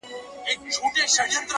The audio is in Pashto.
زړۀ ته مې ستا د ياد دحسن پريمانى راغله